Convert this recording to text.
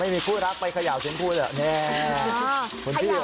ไม่มีผู้รักไปขยาวเต็มผู้แหละแน่